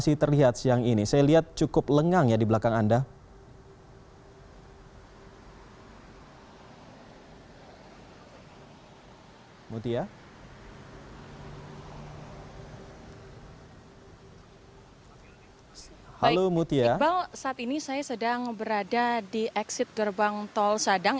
saat ini saya sedang berada di exit gerbang tol sadang